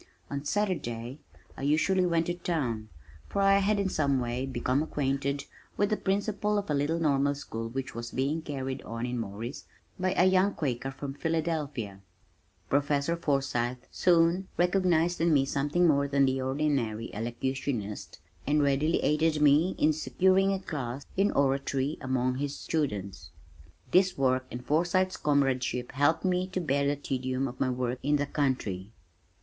On Saturday I usually went to town, for I had in some way become acquainted with the principal of a little normal school which was being carried on in Morris by a young Quaker from Philadelphia. Prof. Forsythe soon recognized in me something more than the ordinary "elocutionist" and readily aided me in securing a class in oratory among his students. This work and Forsythe's comradeship helped me to bear the tedium of my work in the country.